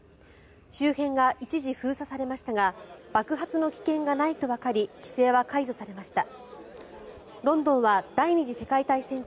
周辺が一時、封鎖されましたが爆発の危険がないとわかり規制は解除されました。